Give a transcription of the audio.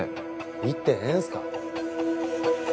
言ってええんすか？